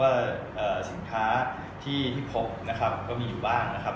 สินค้าที่พบนะครับก็มีอยู่บ้างนะครับ